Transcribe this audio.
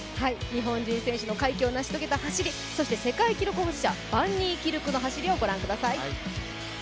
日本人選手の快挙を成し遂げた走り、そして世界記録保持者バンニーキルクの走りをご覧ください。